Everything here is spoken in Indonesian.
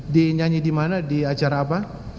dinyanyi di mana di acara apa